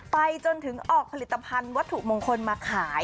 ไปจนถึงออกผลิตภัณฑ์วัตถุมงคลมาขาย